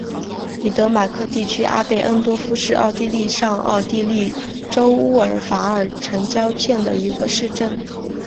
里德马克地区阿贝恩多夫是奥地利上奥地利州乌尔法尔城郊县的一个市镇。